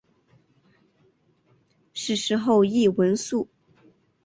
逝世后谥文肃。